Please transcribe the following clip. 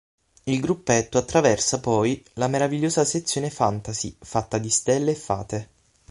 Il gruppetto attraversa poi la meravigliosa sezione Fantasy, fatta di stelle e fate.